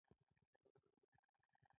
مو واورېدل، ویل یې چې ګڼ شمېر جرمنیان.